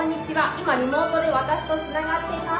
今リモートで私とつながっています。